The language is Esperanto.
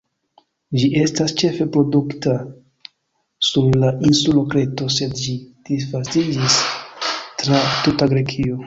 Ĝi estas ĉefe produktita sur la insulo Kreto, sed ĝi disvastiĝas tra tuta Grekio.